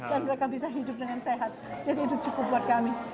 dan mereka bisa hidup dengan sehat jadi itu cukup buat kami